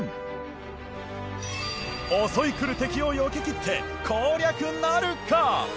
襲いくる敵をよけきって攻略なるか？